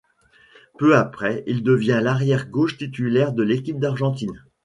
Peu après, il devient l'arrière gauche titulaire de l'équipe d'Argentine.